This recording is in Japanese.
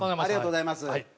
ありがとうございます。